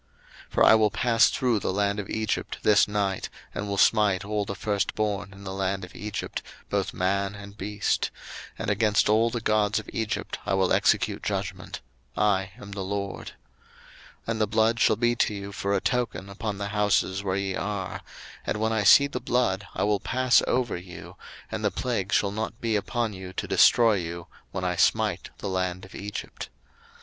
02:012:012 For I will pass through the land of Egypt this night, and will smite all the firstborn in the land of Egypt, both man and beast; and against all the gods of Egypt I will execute judgment: I am the LORD. 02:012:013 And the blood shall be to you for a token upon the houses where ye are: and when I see the blood, I will pass over you, and the plague shall not be upon you to destroy you, when I smite the land of Egypt.